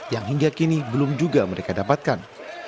yang hingga kini belum juga mereka dapatkan